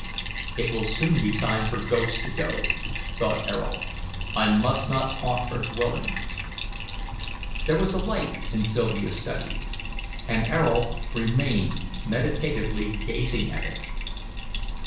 "It will soon be time for ghosts to go," thought Ayrault. "I must not haunt her dwelling." There was a light in Sylvia's study, and Ayrault remained meditatively gazing at it.